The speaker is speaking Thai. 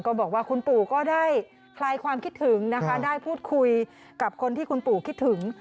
บอกว่าคุณปู่ก็ได้คลายความคิดถึงนะคะได้พูดคุยกับคนที่คุณปู่คิดถึง